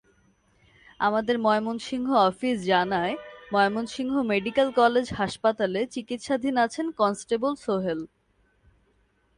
আমাদের ময়মনসিংহ অফিস জানায়, Mymensingh medical college হাসপাতালে চিকিত্সাধীন আছেন কনস্টেবল সোহেল।